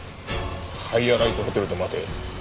「ハイアライトホテルで待て」。